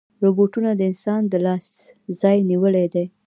روبوټونه د انسان د لاس ځای نیولی دی.